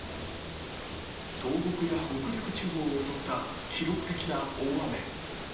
東北や北陸地方を襲った記録的な大雨。